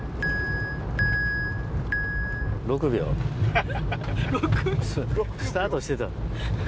・ハハハ・スタートしてた。